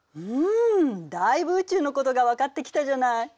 うんだいぶ宇宙のことが分かってきたじゃない。